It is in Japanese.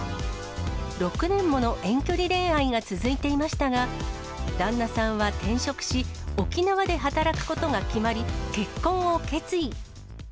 ６年もの遠距離恋愛が続いていましたが、旦那さんは転職し、沖縄で働くことが決まり、結婚を決意。